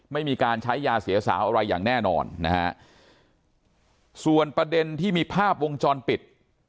ไม่มีการใช้ยาเสียสาวอะไรอย่างแน่นอนนะฮะส่วนประเด็นที่มีภาพวงจรปิด